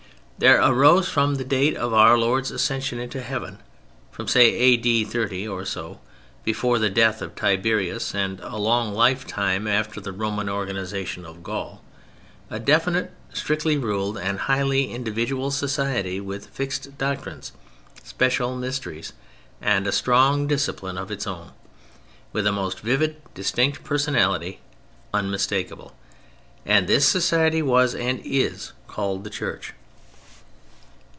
There arose from the date of Our Lord's Ascension into heaven, from, say, A. D. 30 or so, before the death of Tiberius and a long lifetime after the Roman organization of Gaul, a definite, strictly ruled and highly individual Society, with fixed doctrines, special mysteries, and a strong discipline of its own. With a most vivid and distinct personality, unmistakeable. And this Society was, and is, called "The Church."